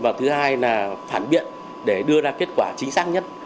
và thứ hai là phản biện để đưa ra kết quả chính xác nhất